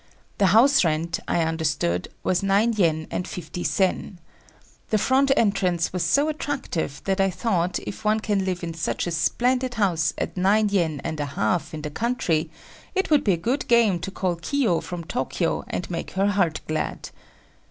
The house rent, I understood, was nine yen and fifty sen. The front entrance was so attractive that I thought if one can live in such a splendid house at nine yen and a half in the country, it would be a good game to call Kiyo from Tokyo and make her heart glad.